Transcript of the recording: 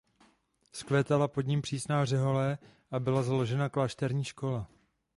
Vzkvétala pod ním přísná řehole a byla založena klášterní škola.